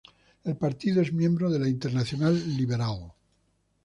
El partido es miembro de la Internacional Liberal.